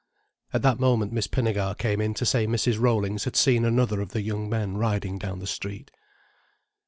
At that moment Miss Pinnegar came in to say Mrs. Rollings had seen another of the young men riding down the street.